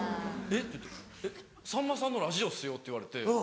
「えっ？えっさんまさんのラジオですよ」って言われて。